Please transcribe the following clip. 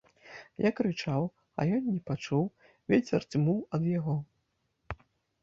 Я крычаў, а ён не пачуў, вецер дзьмуў ад яго.